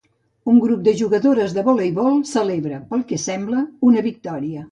Un grup de jugadores de voleibol celebra, pel que sembla, una victòria.